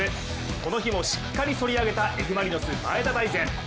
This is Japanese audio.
この日もしっかりそり上げたＦ・マリノス、前田大然。